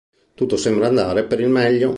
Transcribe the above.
Tutto sembra andare per il meglio.